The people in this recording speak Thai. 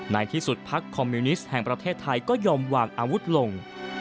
ในที่สุดพักคอมมิวนิสต์แห่งประเทศไทยก็ยอมวางอาวุธลง